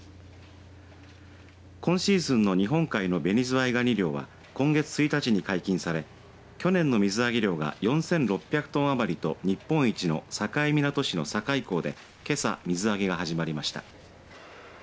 今シーズンの日本海のベニズワイガニ漁は今月１日に解禁され去年の水揚げ量が４６００トン余りと日本一の境港市の境港でけさ水揚げが始まりました。